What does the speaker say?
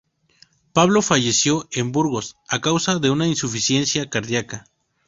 Pablo falleció en Burgos a causa de una insuficiencia cardiaca.